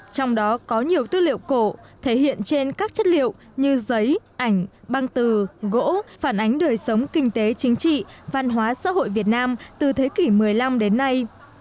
trong đó có nhiều tư liệu cổ thể hiện trên các chất liệu như giấy ảnh băng từ gỗ phản ánh đời sống kinh tế chính trị văn hóa xã hội việt nam từ thế kỷ một mươi năm đến nay